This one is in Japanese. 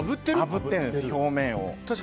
表面を。